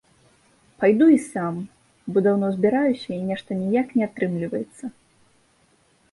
Пайду і сам, бо даўно збіраюся і нешта ніяк не атрымліваецца.